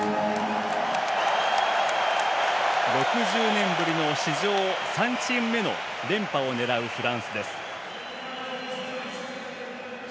６０年ぶりの史上３チーム目の連覇を狙うフランスです。